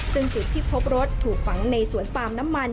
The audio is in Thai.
ซึ่งจุดที่พบรถถูกฝังในสวนปาล์มน้ำมัน